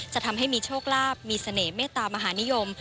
จะทำให้มีโชคลาภมีเสน่หมตามหานิยม